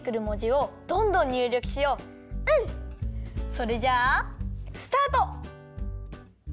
それじゃあスタート！